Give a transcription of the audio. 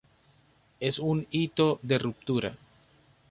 Es un hito de ruptura.